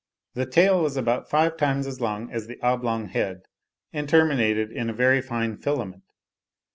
The tail was about five times as long as the oblong head, and terminated in a very fine filament.